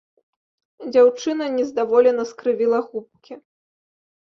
Дзяўчына нездаволена скрывіла губкі.